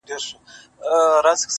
ما دی درکړی خپل زړه تاته امانت شېرينې-